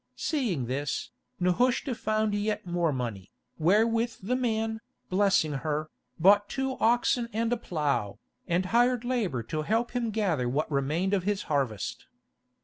Seeing this, Nehushta found yet more money, wherewith the man, blessing her, bought two oxen and a plough, and hired labour to help him gather what remained of his harvest.